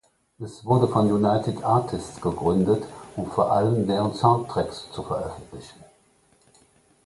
Es wurde von United Artists gegründet, um vor allem deren Soundtracks zu veröffentlichen.